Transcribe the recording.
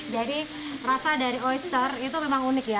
jadi rasa dari oyster itu memang unik ya